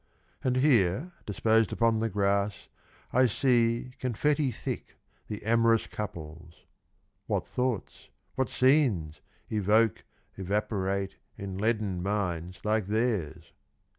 And here disposed upon the grass, I see Confetti thick the amorous couples, — What thoughts, what scenes, evoke, evaporate In leaden minds like theirs